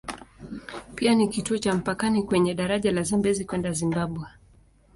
Pia ni kituo cha mpakani kwenye daraja la Zambezi kwenda Zimbabwe.